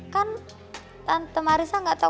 kan tante marisa gak tau